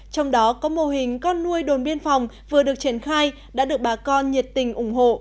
trong đó có mô hình con nuôi đồn biên phòng vừa được triển khai đã được bà con nhiệt tình ủng hộ